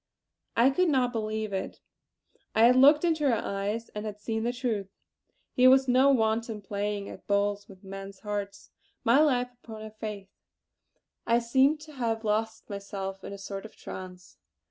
I could not believe it. I had looked into her eyes, and had seen the truth. Here was no wanton playing at bowls with men's hearts. My life upon her faith! I seemed to have lost myself in a sort of trance.